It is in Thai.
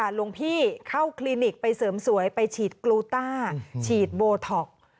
หลวงพี่เข้าคลินิกไปเสริมสวยไปฉีดกลูต้าฉีดโบท็อก